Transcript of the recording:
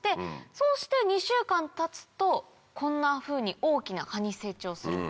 そうして２週間たつとこんなふうに大きな葉に成長すると。